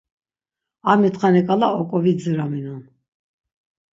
Armitxani ǩala oǩovidziraminon.